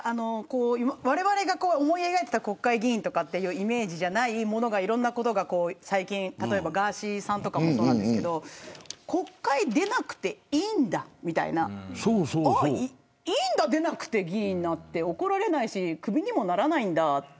われわれが思い描いていた国会議員というイメージじゃないものがいろんなことが最近例えば、ガーシーさんとかもそうですけど国会に出なくていいんだみたいな議員になっても怒られないしクビにもならないんだと。